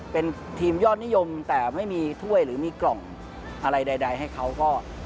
เป็นทีมยอดนิยมแต่ไม่มีถ้วยหรือมีกล่องอะไรใดให้เขาก็